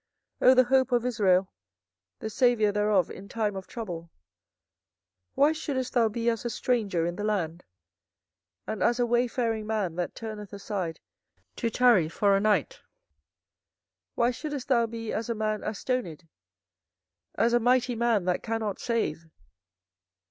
24:014:008 O the hope of Israel, the saviour thereof in time of trouble, why shouldest thou be as a stranger in the land, and as a wayfaring man that turneth aside to tarry for a night? 24:014:009 Why shouldest thou be as a man astonied, as a mighty man that cannot save?